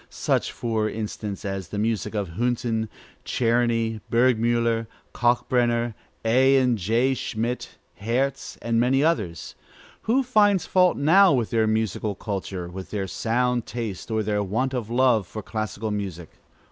such, for instance, as the music of Hünten, Czerny, Burgmüller, Kalkbrenner, A. and J. Schmitt, Herz, and many others. Who finds fault now with their musical culture, with their sound taste, or their want of love for classical music?